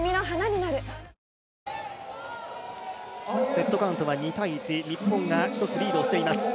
セットカウントは２−１、日本が１つリードをしています。